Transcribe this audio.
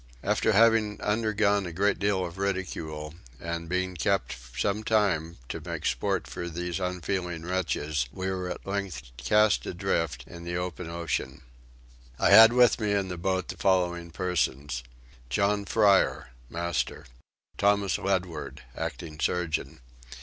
After having undergone a great deal of ridicule and been kept some time to make sport for these unfeeling wretches we were at length cast adrift in the open ocean. I had with me in the boat the following persons: John Fryer: Master. Thomas Ledward: Acting Surgeon.